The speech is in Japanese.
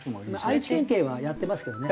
愛知県警はやってますけどね。